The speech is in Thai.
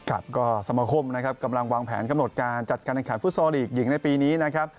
ครับก็สมคมนะครับกำลังวางแผนกำหนดการจัดการแข่งขันฟุตซอลลีกหญิงในปีนี้นะครับ